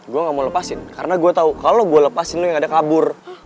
gue gak mau lepasin karena gue tau kalo gue lepasin lo yang ada kabur